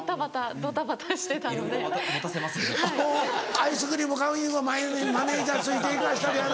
アイスクリーム買いに行くのマネジャーついて行かしたりやな。